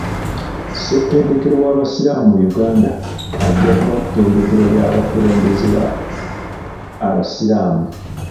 Ssetendekero w'abasiraamu mu Uganda ajja kuba ttendekero ly'abakulembeze abasiraamu.